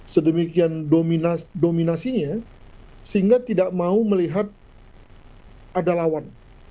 sedemikian dominasinya sehingga tidak mau melihat ada lawan